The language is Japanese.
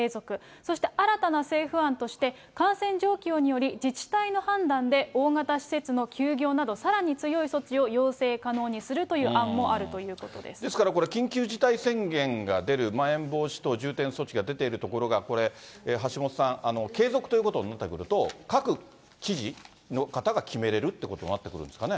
そして新たな政府案として、感染状況により、自治体の判断で大型施設の休業など、さらに強い措置を要請可能にするという案もあるですからこれ、緊急事態宣言が出る、まん延防止等重点措置が出ているところがこれ橋下さん、継続ということになってくると、各知事の方が決めれるということになってくるんですかね。